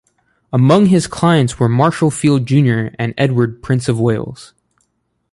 Among his clients were Marshall Field Junior and Edward, Prince of Wales.